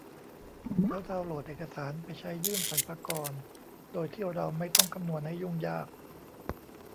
แล้วดาวน์โหลดเอกสารไปใช้ยื่นสรรพากรโดยที่เราไม่ต้องคำนวณให้ยุ่งยาก